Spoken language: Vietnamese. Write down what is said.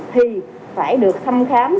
thì phải được thăm khám